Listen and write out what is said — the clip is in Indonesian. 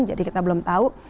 jadi kita belum tahu